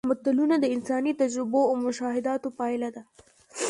متلونه د انساني تجربو او مشاهداتو پایله ده